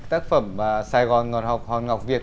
tác phẩm sài gòn hòn ngọc việt